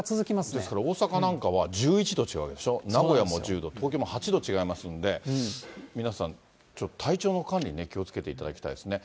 ですから大阪なんかは１１度違うでしょ、名古屋も１０度、東京も８度違いますんで、皆さん、ちょっと体調の管理ね、気をつけていただきたいですね。